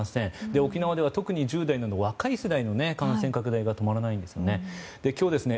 沖縄では特に１０代の若い世代の感染拡大が止まらないんですよね。